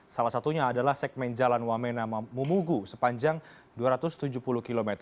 salah satunya adalah segmen jalan wamena mumugu sepanjang dua ratus tujuh puluh km